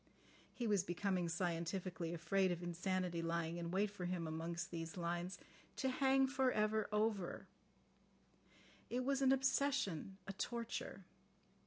... He was becoming scientifically afraid of insanity lying in wait for him amongst these lines. "To hang for ever over." It was an obsession, a torture.